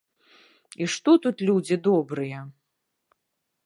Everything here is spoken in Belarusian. І што тут людзі добрыя.